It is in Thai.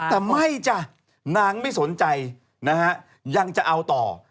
แต่ไม่จ้ะนางไม่สนใจนะฮะยังจะเอาต่อ